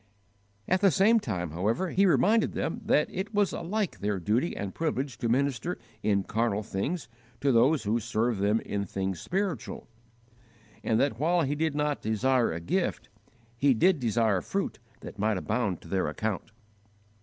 At the same time, however, he reminded them that it was alike their duty and privilege to minister in carnal things to those who served them in things spiritual, and that while he did not desire a gift, he did desire fruit that might abound to their account.